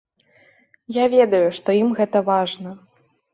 Я ведаю, што ім гэта важна.